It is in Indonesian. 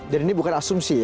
dan ini bukan asumsi ya